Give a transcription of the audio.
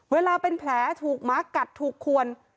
เวลาเป็นแผลถูกหมากัดถูกควร